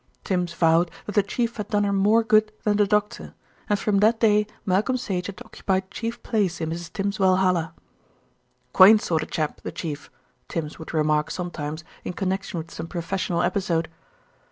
Tims vowed that the Chief had done her more good than the doctor, and from that day Malcolm Sage had occupied chief place in Mrs. Tims's valhalla. "Quaint sort o' chap, the Chief," Tims would remark sometimes in connection with some professional episode.